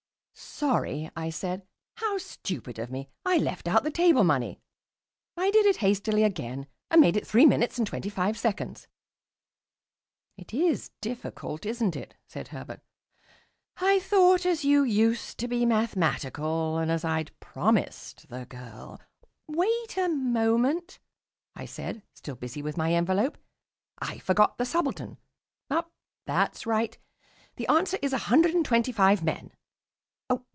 "Sorry," I said, "how stupid of me; I left out the table money." I did it hastily again and made it three minutes twenty five seconds. "It is difficult, isn't it?" said Herbert. "I thought, as you used to be mathematical and as I'd promised the girl " "Wait a moment," I said, still busy with my envelope. "I forgot the subaltern. Ah, that's right. The answer is a hundred and twenty five men....